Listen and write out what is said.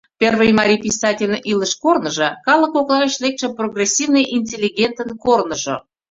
Первый марий писательын илыш-корныжо — калык кокла гыч лекше прогрессивный интеллигентын корныжо.